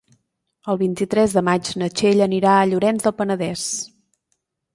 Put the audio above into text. El vint-i-tres de maig na Txell anirà a Llorenç del Penedès.